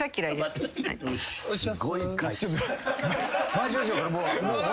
回しましょう。